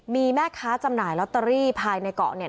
มีแม่ค้าจำหน่ายลอตเตอรี่ภายในเกาะเนี่ย